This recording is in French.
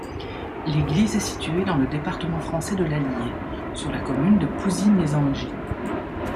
L'église est située dans le département français de l'Allier, sur la commune de Pouzy-Mésangy.